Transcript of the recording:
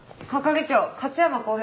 係長勝山康平